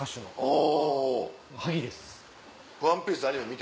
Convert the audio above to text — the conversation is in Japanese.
あ。